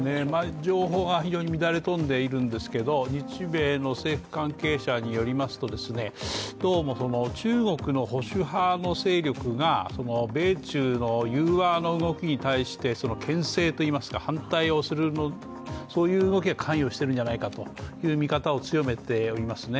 情報が非常に乱れ飛んでいるんですが日米の政府関係者によりますと、どうも中国の保守派の勢力が米中の融和の動きに対してけん制といいますか反対をする、そういう動きが関与しているんじゃないかという見方を強めておりますね。